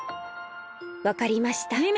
わかりました。